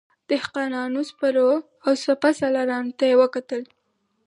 دهقانانو، سپرو او سپه سالارانو ته یې ولیکل.